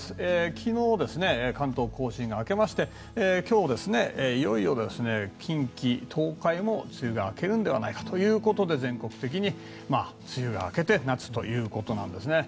昨日、関東・甲信が明けまして今日、いよいよ近畿、東海も梅雨が明けるのではないかということで全国的に梅雨が明けて夏ということなんですね。